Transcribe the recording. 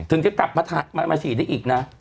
ถึงจะกลับมาฉีดได้อีกนะ